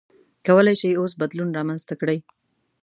کولای شئ اوس بدلون رامنځته کړئ.